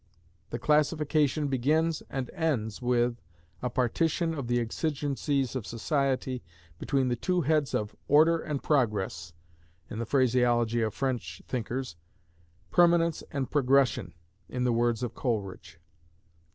The classification begins and ends with a partition of the exigencies of society between the two heads of Order and Progress (in the phraseology of French thinkers); Permanence and Progression, in the words of Coleridge.